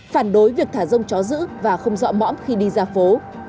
phản đối việc thả rông chó giữ và không dọa mõm khi đi ra phố